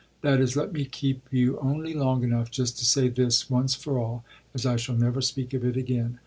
That is, let me keep you only long enough just to say this, once for all, as I shall never speak of it again.